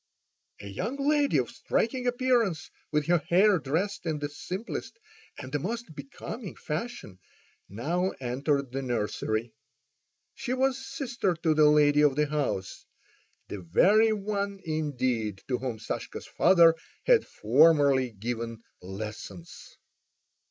A young lady of striking appearance, with her hair dressed in the simplest and the most becoming fashion, now entered the nursery. She was sister to the lady of the house, the very one indeed to whom Sashka's father had formerly given lessons.